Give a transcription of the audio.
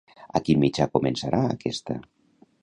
A quin mitjà començarà aquesta?